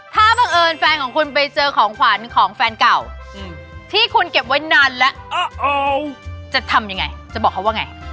ถ้าบังเอิญแฟนของคุณไปเจอของขวัญของแฟนเก่าที่คุณเก็บไว้นานแล้วจะทำยังไงจะบอกเขาว่าไง